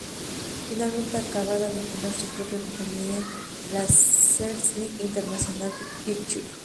Finalmente acababa de fundar su propia compañía, la Selznick International Pictures.